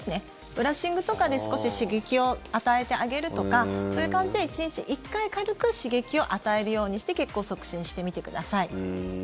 ブラッシングとかで少し刺激を与えてあげるとかそういう感じで、１日１回軽く刺激を与えるようにして血行を促進してみてください。